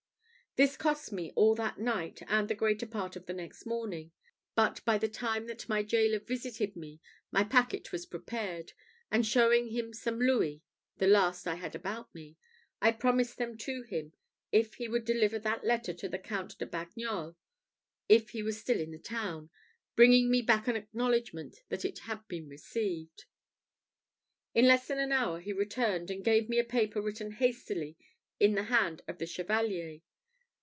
This cost me all that night and the greater part of the next morning; but by the time that my gaoler visited me my packet was prepared, and showing him some louis the last I had about me I promised them to him if he would deliver that letter to the Count de Bagnols, if he was still in the town, bringing me back an acknowledgment that it had been received. In less than an hour he returned, and gave me a paper written hastily in the hand of the Chevalier.